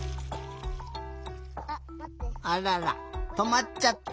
あららとまっちゃった。